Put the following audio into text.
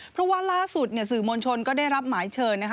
เพราะว่าล่าสุดเนี่ยสื่อมวลชนก็ได้รับหมายเชิญนะคะ